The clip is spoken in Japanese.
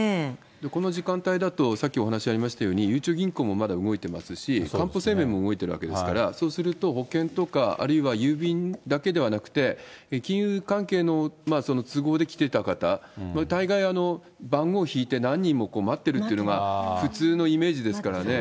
この時間帯だと、さっきお話ありましたように、ゆうちょ銀行もまだ動いていますし、かんぽ生命も動いてるわけですから、そうすると、保険とか、あるいは郵便だけではなくて、金融関係の都合で来ていた方、大概、番号引いて何人も待ってるっていうのが普通のイメージですからね。